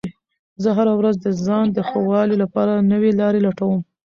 زه هره ورځ د ځان د ښه والي لپاره نوې لارې لټوم